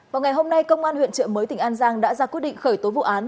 vào ngày hôm nay công an huyện trợ mới tỉnh an giang đã ra quyết định khởi tố vụ án